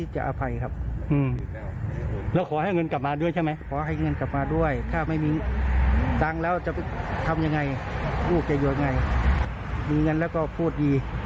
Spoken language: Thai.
ใช่มีเงินแล้วก็พูดดี